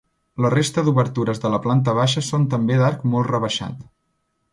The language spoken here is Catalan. La resta d'obertures de la planta baixa són també d'arc molt rebaixat.